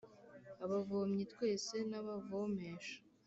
Abavomyi twese n’abavomesha